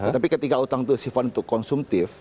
tapi ketika utang itu sifat untuk konsumtif